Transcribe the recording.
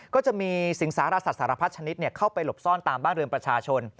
ก็จะมีสิงสารสัตว์สารพัดชนิดเข้าไปหลบซ่อนตามบ้านเรือนประชาชน